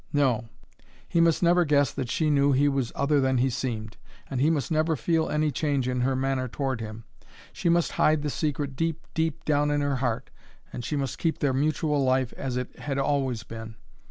No; he must never guess that she knew he was other than he seemed, and he must never feel any change in her manner toward him. She must hide the secret deep, deep down in her heart, and she must keep their mutual life as it had always been.